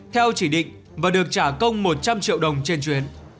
theo chỉ định và được trả công một trăm linh triệu đồng trên chuyến